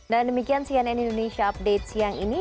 dan demikian cnn indonesia update siang ini